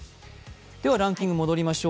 ランキングに戻りましょう。